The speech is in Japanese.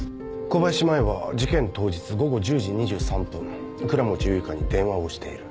小林舞衣は事件当日午後１０時２３分倉持結花に電話をしている。